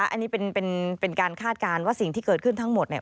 อันนี้เป็นการคาดการณ์ว่าสิ่งที่เกิดขึ้นทั้งหมดเนี่ย